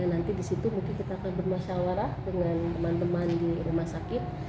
nanti di situ mungkin kita akan bermasyawarah dengan teman teman di rumah sakit